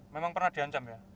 memang pernah dihancam ya